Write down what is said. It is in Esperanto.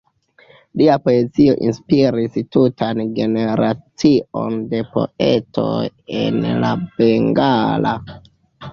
Lia poezio inspiris tutan generacion de poetoj en la bengala.